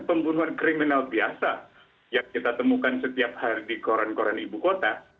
pembunuhan kriminal biasa yang kita temukan setiap hari di koran koran ibu kota